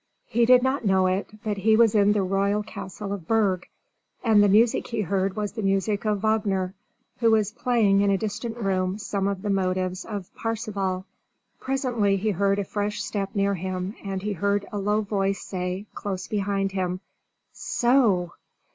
He did not know it, but he was in the royal castle of Berg, and the music he heard was the music of Wagner, who was playing in a distant room some of the motives of "Parsival." Presently he heard a fresh step near him, and he heard a low voice say, close behind him, "So!"